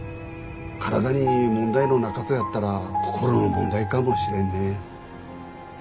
体に問題のなかとやったら心の問題かもしれんね。